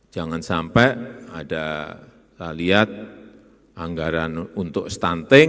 jangan sampai ada lihat anggaran untuk stunting